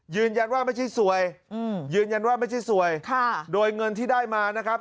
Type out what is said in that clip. ยืนยันว่าไม่ใช่สวยโดยเงินที่ได้มานะครับ